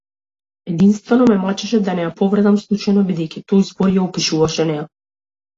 Единствено ме мачеше да не ја повредам случајно, бидејќи тој збор ја опишуваше неа.